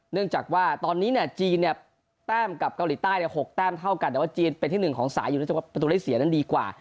เนื่องจากว่าตอนนี้เนี่ยจีนเนี่ยแต้มกับเกาหลีใต้๖แต้มเท่ากันแต่ว่าจีนเป็นที่๑ของสายอยู่ในประตูได้เสียนั้นดีกว่า